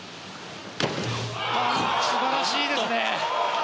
素晴らしいですね！